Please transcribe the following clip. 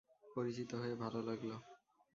পরিচিত হয়ে ভালো লাগলো।